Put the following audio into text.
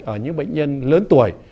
ở những bệnh nhân lớn tuổi